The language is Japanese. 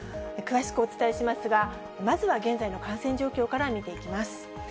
詳しくお伝えしますが、まずは、現在の感染状況から見ていきます。